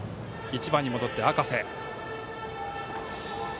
１番に戻って赤瀬。